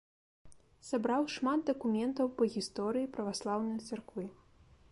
Сабраў шмат дакументаў па гісторыі праваслаўнай царквы.